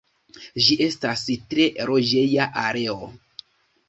Ĝi estas tre loĝeja areo.